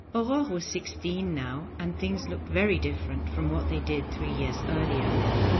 Aurore was sixteen now, and things looked very different from what they did three years earlier.